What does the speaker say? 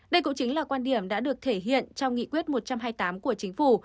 đây cũng chính là quan điểm đã được thể hiện trong nghị quyết một trăm hai mươi tám của chính phủ